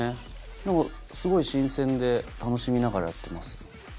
何かすごい新鮮で楽しみながらやってます。